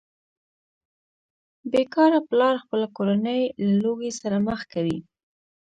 بې کاره پلار خپله کورنۍ له لوږې سره مخ کوي